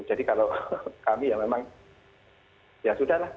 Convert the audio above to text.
jadi kalau kami ya memang ya sudah lah